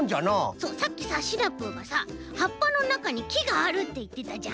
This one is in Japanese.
そうさっきさシナプーがさはっぱのなかにきがあるっていってたじゃん？